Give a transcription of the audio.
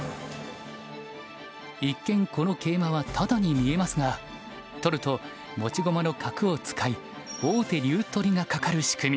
一見この桂馬はタダに見えますが取ると持ち駒の角を使い王手竜取りがかかる仕組み。